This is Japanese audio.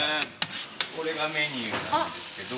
これがメニューなんですけど。